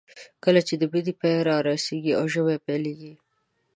کله چې د مني پای رارسېږي او ژمی پیلېږي.